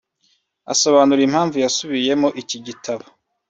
Asobanura impamvu yasubiyemo iki gitabo